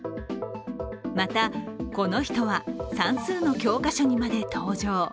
また、この人は算数の教科書にまで登場。